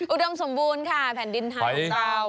อุดมสมบูรณ์ค่ะแผ่นดินไทยของเรา